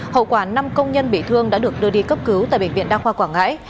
hậu quả năm công nhân bị thương đã được đưa đi cấp cứu tại bệnh viện đa khoa quảng ngãi